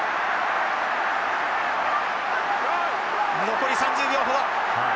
残り３０秒ほど。